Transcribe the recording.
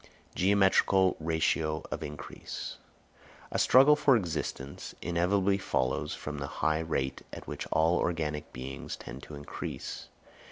Geometrical Ratio of Increase. A struggle for existence inevitably follows from the high rate at which all organic beings tend to increase.